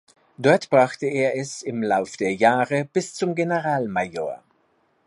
Dort brachte er es im Lauf der Jahre bis zum Generalmajor.